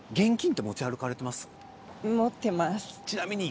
持ってます。